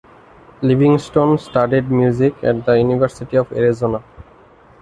Livingston studied music at the University of Arizona.